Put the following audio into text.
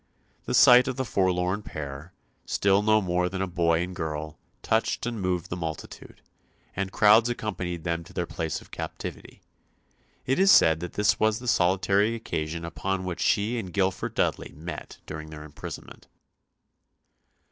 The sight of the forlorn pair, still no more than boy and girl, touched and moved the multitude, and crowds accompanied them to their place of captivity. It is said that this was the solitary occasion upon which she and Guilford Dudley met during their imprisonment.